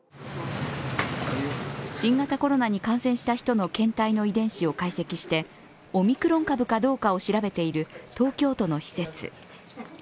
新型コロナに感染した人の検体の遺伝子を解析してオミクロン株かどうかを調べている東京都の施設。